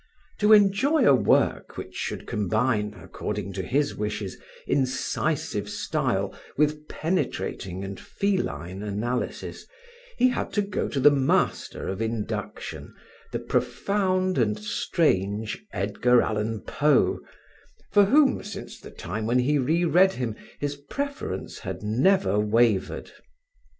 To enjoy a work which should combine, according to his wishes, incisive style with penetrating and feline analysis, he had to go to the master of induction, the profound and strange Edgar Allen Poe, for whom, since the time when he re read him, his preference had never wavered.